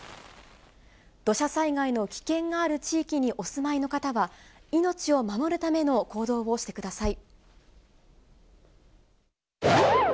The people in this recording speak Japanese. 土砂災害の危険がある地域にお住まいの方は、命を守るための行動をしてください。